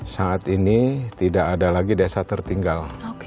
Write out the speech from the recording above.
saat ini tidak ada lagi desa tertinggal